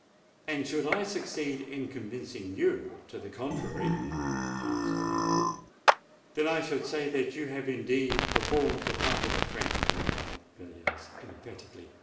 "And should I succeed in convincing you to the contrary?" asked Rainford. "Then I should say that you had indeed performed the part of a friend," replied Villiers emphatically.